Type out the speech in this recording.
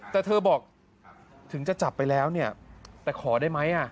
แต่เธอบอกถึงจะจับไปแล้วเนี่ยแต่ขอได้ไหม